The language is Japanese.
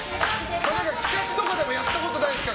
企画とかでもやったことがないですか？